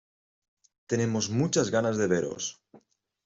Tenemos muchas ganas de veros.